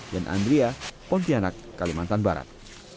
dan andrea pontianak kalimantan barat